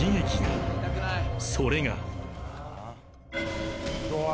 ［それが］